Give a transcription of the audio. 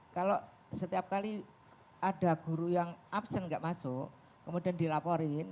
kalau setiap kali ada guru yang absen gak masuk kemudian dilaporin